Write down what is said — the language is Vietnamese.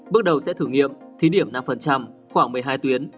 bước đầu sẽ thử nghiệm thí điểm năm khoảng một mươi hai tuyến